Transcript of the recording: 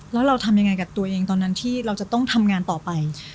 แล้วเราทำยังไงกับตัวเองตอนนั้นที่เราจะต้องทำงานต่อไป